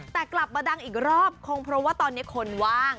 แต่กลับมาดังอีกรอบคงเพราะว่าตอนนี้คนว่าง